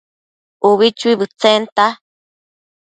ubi chuibëdtsenta